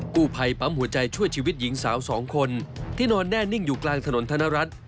กู้ภัยปั๊มหัวใจช่วยชีวิตหญิงสาวสองคนที่นอนแน่นิ่งอยู่กลางถนนธนรัฐ